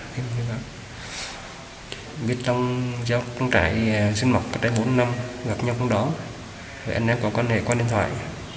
việc lâm do công trại sinh mật bốn năm gặp nhau cũng đó anh em có quan hệ qua điện thoại